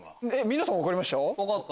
皆さん分かりました？